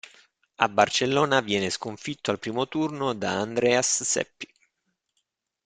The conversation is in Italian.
A Barcellona viene sconfitto al primo turno da Andreas Seppi.